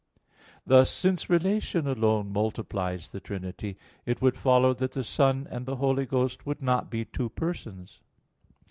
Thus, since relation alone multiplies the Trinity, it would follow that the Son and the Holy Ghost would not be two persons.